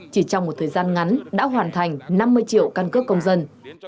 chỉ trong một thời gian ngắn đã hoàn thành năm mươi triệu căn cước công dân